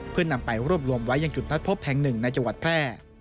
เพื่อนำไปรวบรวมไว้ยังจุดนัดพบแห่งหนึ่งในจังหวัดแพร่